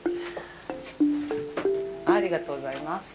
ありがとうございます。